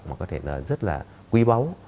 mà có thể là rất là quý báu